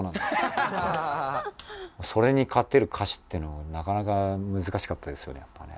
それに勝てる歌詞っていうのもなかなか難しかったですよねやっぱね。